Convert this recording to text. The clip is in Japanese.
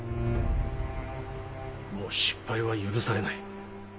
もう失敗は許されない。